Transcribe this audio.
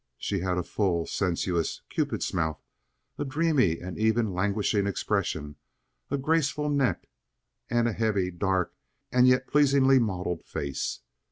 She had a full, sensuous, Cupid's mouth, a dreamy and even languishing expression, a graceful neck, and a heavy, dark, and yet pleasingly modeled face.